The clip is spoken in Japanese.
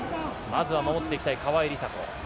まずは守っていきたい川井梨紗子。